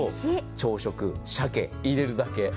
朝食、鮭を入れるだけ。